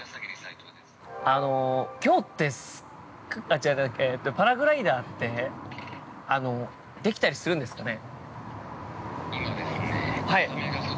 ◆きょうって、違う違う、パラグライダーってできたりするんですかね。